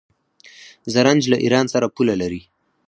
زرنج له ایران سره پوله لري.